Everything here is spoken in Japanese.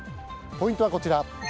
ポイントはこちら。